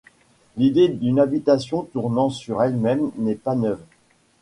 L’idée d’une habitation tournant sur elle-même n’est pas neuve.